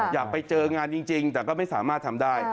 อยากไปเจองานจริงแต่ก็ไม่สามารถทำได้